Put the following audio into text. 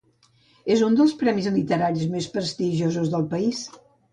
És uns dels premis literaris més prestigiosos del país.